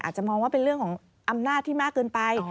อาจจะมองว่าเป็นเรื่องของอำนาจที่มากเกินไป